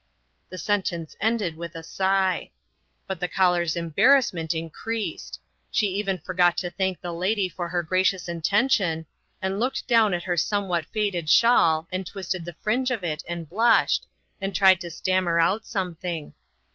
The sentence ended with a sigh. But the caller's embarrassment increased. She even forgot to thank the lady for her gra 54 INTERRUPTED. cious intention, and looked down at her somewhat faded shawl, and twisted the fringe of it, and blushed, and tried to stammer out something.